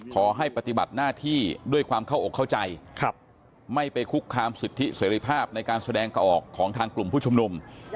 ขอให้ปฏิบัติหน้าที่ด้วยความเข้าอกเข้าใจไม่ไปคุกคามสิทธิเสรีภาพในการแสดงออกของทางกลุ่มผู้ชุมนุม